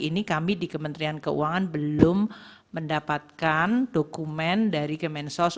tapi hari ini kami di kementerian keuangan belum mendapatkan dokumen dari ke mensos